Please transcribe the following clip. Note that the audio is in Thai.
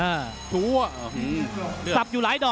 ฝ่ายทั้งเมืองนี้มันตีโต้หรืออีโต้